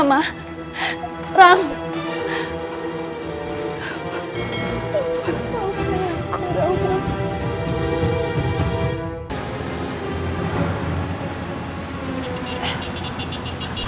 aku mau ke rumah